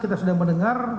kita sudah mendengar